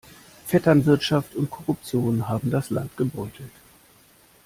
Vetternwirtschaft und Korruption haben das Land gebeutelt.